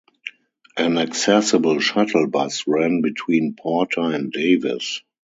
An accessible shuttle bus ran between Porter and Davis.